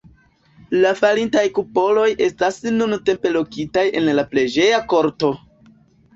La falintaj kupoloj estas nuntempe lokitaj en la preĝeja korto.